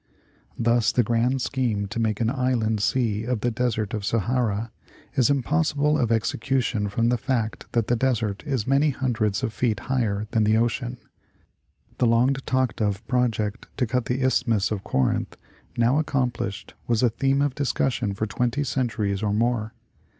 Thus the grand scheme to make an inland sea of the Desert of Sahara is impossible of execution from the fact that the desert is many hundreds of feet higher than the ocean. The long talked of project to cut the Isthmus of Corinth, now accomplished, was a theme of discussion for twenty centuries or more.